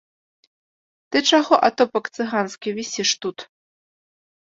Ты чаго, атопак цыганскі, вісіш тут?